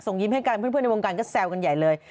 ยิ้มให้กันเพื่อนในวงการก็แซวกันใหญ่เลย